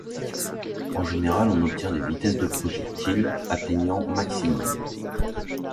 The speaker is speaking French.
En général on obtient des vitesses de projectiles atteignant maximum.